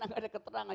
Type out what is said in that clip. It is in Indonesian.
enggak ada keterangan